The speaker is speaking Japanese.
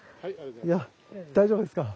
いや大丈夫ですか？